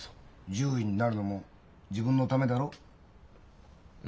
獣医になるのも自分のためだろう？